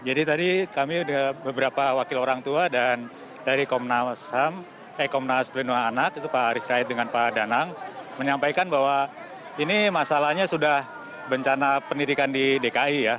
jadi tadi kami dengan beberapa wakil orang tua dan dari komnas plenua anak pak aris rai dengan pak danang menyampaikan bahwa ini masalahnya sudah bencana pendidikan di dki